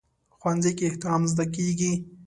ښوونځی کې احترام زده کېږي